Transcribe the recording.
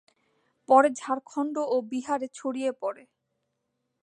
পরে ঝাড়খণ্ড ও বিহার-এ ছড়িয়ে পড়ে।